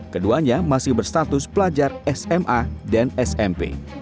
keduanya masih berstatus pelajar sma dan smp